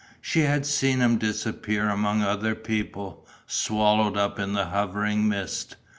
She had seen him disappear among other people, swallowed up in the hovering mist.